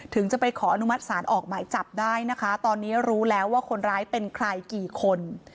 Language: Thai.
ถึงจะไปขออนุมัติศาลออกหมายจับได้นะคะตอนนี้รู้แล้วว่าคนร้ายเป็นใครกี่คน